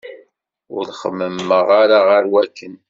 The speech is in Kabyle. Ur xemmemeɣ ara ɣer wakken.